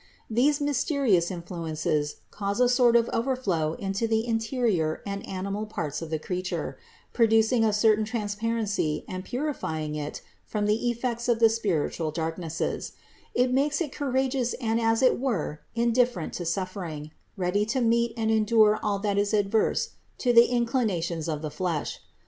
These mysterious influences cause a sort of overflow into the interior and animal parts of the creature, producing a certain transparency and purifying it from the effects of the spiritual dark nesses; it makes it courageous and as it were indifferent to suffering, ready to meet and endure all that is adverse to the inclinations of the flesh.